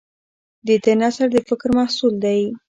د ده نثر د فکر محصول دی.